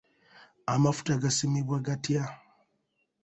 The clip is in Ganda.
Amafuta gasimibwa gatya?